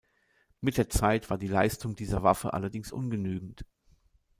Mit der Zeit war die Leistung dieser Waffe allerdings ungenügend.